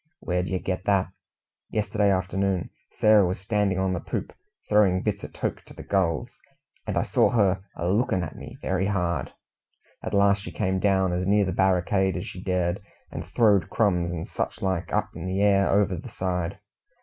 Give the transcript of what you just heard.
"Where did yer get that?" "Yesterday afternoon Sarah was standing on the poop throwing bits o' toke to the gulls, and I saw her a looking at me very hard. At last she came down as near the barricade as she dared, and throwed crumbs and such like up in the air over the side.